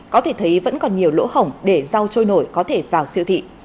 có thể thấy vẫn còn nhiều lỗ hổng để rau trôi nổi có thể vào siêu thị